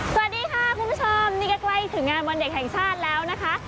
สวัสดีค่ะคุณผู้ชมนี่ก็ใกล้ถึงงานวันเด็กแห่งชาติแล้วนะคะ